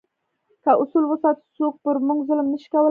که اصول وساتو، څوک پر موږ ظلم نه شي کولای.